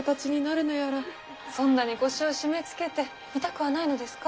そんなに腰を締めつけて痛くはないのですか？